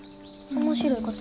面白いこと？